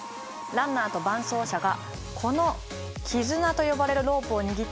ランナーと伴走者がこのキズナと呼ばれるロープを握って走ります。